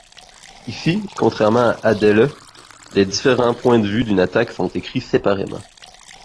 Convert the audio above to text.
Ici, contrairement à AdeLe, les différents points de vue d'une attaque sont écrits séparément.